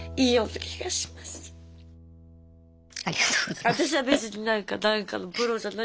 ありがとうございます。